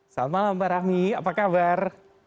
selamat malam mbak rahmi apa kabar